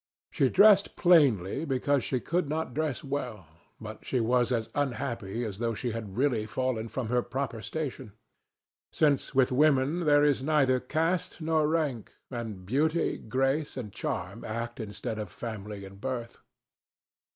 She dressed plainly because she could not dress well, but she was as unhappy as though she had really fallen from her proper station; since with women there is neither caste nor rank; and beauty, grace, and charm act instead of family and birth.